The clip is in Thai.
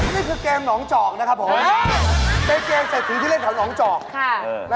นี่คือเกมหนองจอกนะครับผมเป็นเกมเศรษฐีที่เล่นแถวหนองจอก